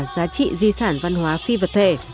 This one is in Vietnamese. giá trị di sản văn hóa phi vật thể